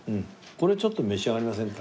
これちょっと召し上がりませんか？